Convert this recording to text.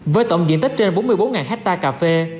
với tổng diện tích trên bốn mươi bốn hectare cà phê